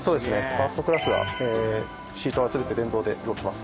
ファーストクラスはシートは全て電動で動きます。